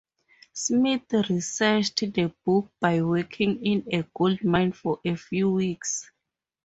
Smith researched the book by working in a gold mine for a few weeks.